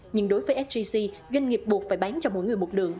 nhưng đối với sgc doanh nghiệp buộc phải bán cho mỗi người một lượng